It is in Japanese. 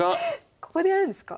ここでやるんですか？